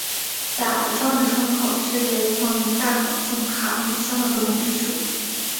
喇叭状的铳口是雷筒与大口径卡宾枪的不同之处。